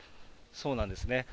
そうなんですね。